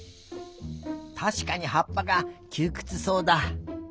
たしかにはっぱがきゅうくつそうだ。